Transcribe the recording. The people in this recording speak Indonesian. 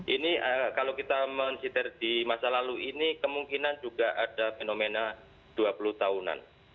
ini kalau kita mensiter di masa lalu ini kemungkinan juga ada fenomena dua puluh tahunan